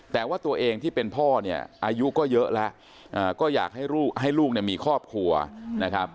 แต่ว่าตัวเองที่เป็นพ่อเนี่ยอายุก็เยอะแล้วก็อยากให้ลูกเนี่ยมีครอบครัวนะครับ